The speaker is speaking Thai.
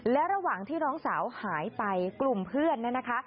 และระหว่างที่น้องสาวหายไปกลุ่มเพื่อนเนี่ยนะคะ